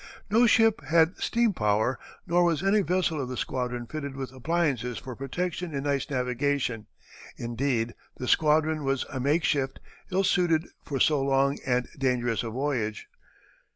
No ship had steam power, nor was any vessel of the squadron fitted with appliances for protection in ice navigation; indeed, the squadron was a makeshift, ill suited for so long and dangerous a voyage.